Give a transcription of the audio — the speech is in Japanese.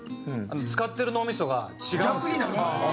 使ってる脳みそが違うんですよ。